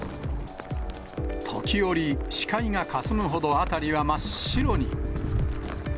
時折、視界がかすむほど、辺りは真っ白に。